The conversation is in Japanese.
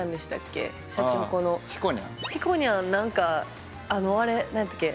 ひこにゃん何かあれ何やったっけ